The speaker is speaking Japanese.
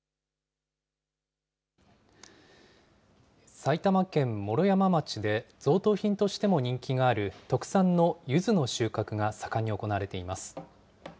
埼玉県毛呂山町で、贈答品としても人気がある特産のゆずの収穫が盛んに行われています。